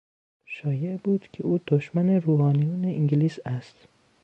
شایع بود که او دشمن روحانیون انگلیس است.